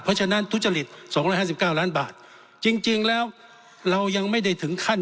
เพราะฉะนั้นทุจริต๒๕๙ล้านบาทจริงแล้วเรายังไม่ได้ถึงขั้น